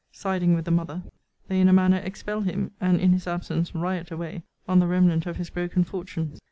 Siding with the mother, they in a manner expel him; and, in his absence, riot away on the remnant of his broken fortunes.